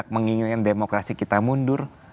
mengingin demokrasi kita mundur